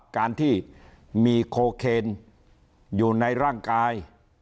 การที่มีโคเคนอยู่ในร่างกาย